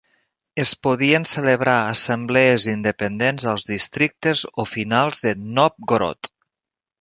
Es podien celebrar assemblees independents als districtes o "finals" de Nòvgorod.